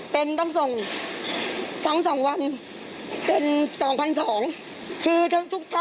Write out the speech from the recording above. เป็นต้องส่ง๓๒วันจะเป็น๒๒๐๐บาท